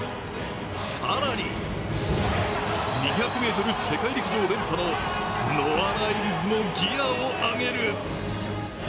更に、２００ｍ世界陸上連覇のノア・ライルズもギアを上げる。